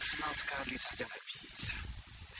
tidak ada yang berguna